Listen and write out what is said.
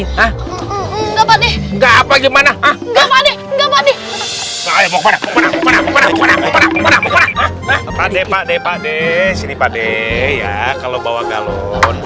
enggak apa gimana enggak mau ke mana pakde pakde pakde sini pakde ya kalau bawa galon